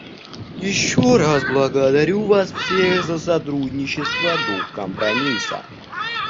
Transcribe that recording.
Еще раз благодарю вас всех за сотрудничество, дух компромисса.